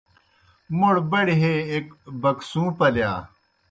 موْڑ بڑیْ ہے ایْک بَکسُوں پلِیا۔